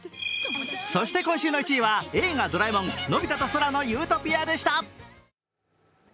そして今週の１位は「映画ドラえもんのび太と空の理想郷」でした。